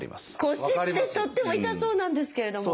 腰ってとっても痛そうなんですけれども。